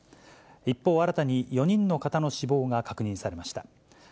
一方、新たに４人の方の死亡が確認されました。